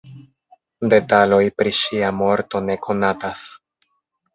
Detaloj pri ŝia morto ne konatas.